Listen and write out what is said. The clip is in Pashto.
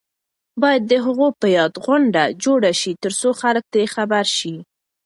باید د هغوی په یاد غونډې جوړې شي ترڅو خلک ترې خبر شي.